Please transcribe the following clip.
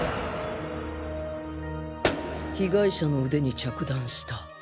被害者の腕に着弾した